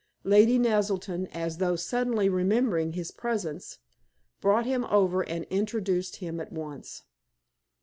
Lady Naselton, as though suddenly remembering his presence, brought him over and introduced him at once.